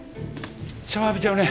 シャワー浴びちゃうね。